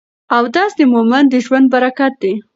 اودس د مؤمن د ژوند برکت دی.